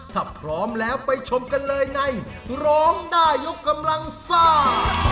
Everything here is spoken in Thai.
ถ้าพร้อมแล้วไปชมกันเลยในร้องได้ยกกำลังซ่า